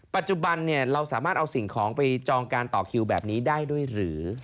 ปัจจุบันเราสามารถเอาสิ่งของไปจองการต่อคิวแบบนี้ได้ด้วยหรือ